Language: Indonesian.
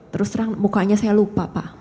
terus terang mukanya saya lupa pak